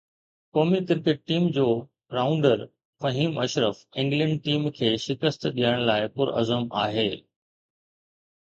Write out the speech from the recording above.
قومي cricket team جو rounder Faheem Ashraf England team کي شڪست ڏيڻ لاءِ پرعزم آهي